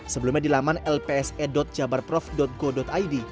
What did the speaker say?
sebelumnya di laman lpse jabarprov go id